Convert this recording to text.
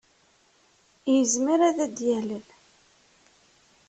Yezmer ad d-yalel.